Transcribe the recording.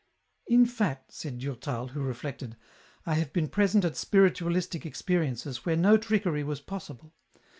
" In fact," said Durtal, who reflected, " I have been present at spiritualistic experiences, where no trickery was possible.